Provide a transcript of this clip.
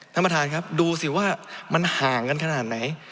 ท่านประธานครับดูสิว่ามันห่างกันขนาดไหน